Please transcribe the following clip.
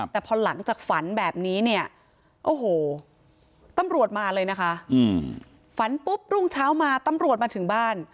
แต่พอหลังจากฝันแบบนี้เนี่ยโอ้โหตำรวจมาเลยนะคะฝันปุ๊บรุ่งเช้ามาตำรวจมาถึงบ้าน